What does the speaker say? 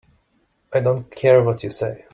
I don't care what you say.